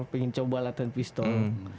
pengen coba latihan pistol